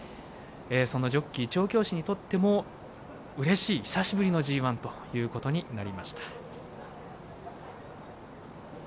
そのジョッキー調教師にとってもうれしい久しぶりのＧＩということになりました。